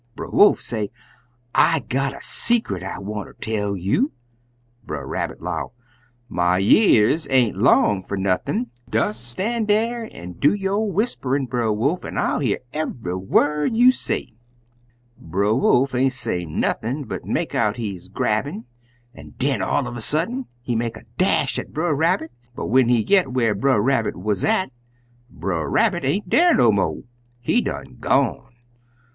Brer Wolf say, 'I got a secret I wanter tell you.' Brer Rabbit 'low, 'My y'ears ain't long fer nothin'. Des stan' dar an' do yo' whisperin', Brer Wolf, an' I'll hear eve'y word you say.' "Brer Wolf ain't say nothin', but make out he's grabblin', an' den, all of a sudden, he made a dash at Brer Rabbit, but when he git whar Brer Rabbit wuz at, Brer Rabbit ain't dar no mo'; he done gone.